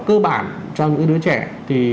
cơ bản cho những đứa trẻ thì